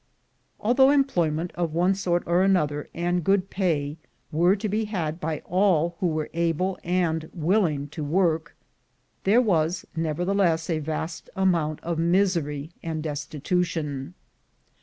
Although employment, of one sort or another, and good pay, were to be had by all who were able and willing to work, there was nevertheless a vast amount of misery and destitution.